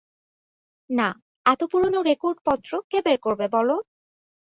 না, এত পুরনো রেকর্ডপত্র কে বের করবে, বল?